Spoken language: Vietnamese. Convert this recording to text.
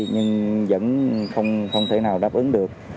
nhưng vẫn không thể nào đáp ứng được